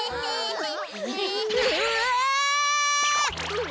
うわ！